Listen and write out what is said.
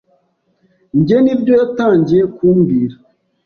Njye nibyo yatangiye kumbwira